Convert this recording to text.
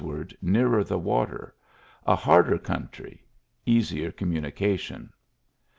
GEANT 105 nearer the water — a harder country^ easier communications.